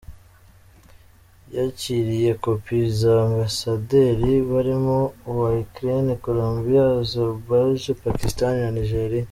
Yakiriye kopi za ba ambasaderi barimo uwa Ukraine, Colombia, Azerbaijan, Pakistan na Nigeria.